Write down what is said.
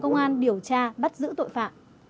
công an điều tra bắt giữ tội phạm